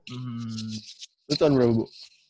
itu tahun berapa bu